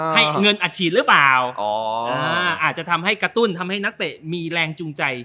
ให้เงินอัดฉีดหรือเปล่าอาจจะทำให้กระตุ้นทำให้นักเตะมีแรงจูงใจ